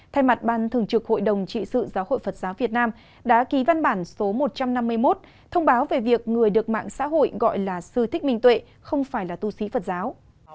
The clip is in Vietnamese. thay mặt ban thường trực hội đồng trị sự giáo hội phật giáo việt nam đã ký văn bản số một trăm năm mươi một thông báo về việc người được mạng xã hội gọi là sư thích minh tuệ không phải là tu sĩ phật giáo